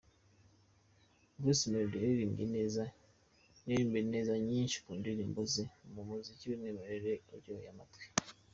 Bruce Melodie yaririmbye neza nyinshi mu ndirimbo ze, mu muziki w'umwimerere uryoheye amatwi.